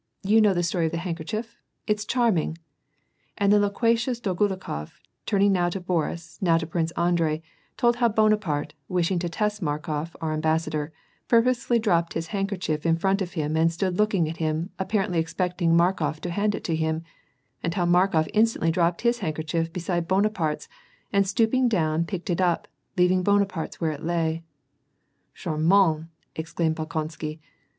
You know the story of the handkerchief ? It's charming !" And the loquacious Dolgo mkof, turning now to Boris, now to Prince Andrei, told how Bonaparte, wishing to test Markof, our ambassador, purposely dropped his handkerchief in front of him and stood looking at him apparently expecting Markof to hand it to him, and how Markof instantly dropped his handkerchief beside Bona parte's, and stooping down picked it up, leaving Bonaparte's where it lay. " Charmant /" exclaimed Bolkonsky.